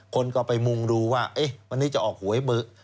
คนก็ไปมุงดูว่าวันนี้จะออกหวยเบอร์